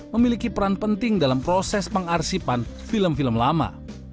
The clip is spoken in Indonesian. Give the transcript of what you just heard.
memiliki peran penting dalam proses pengarsipan film film lama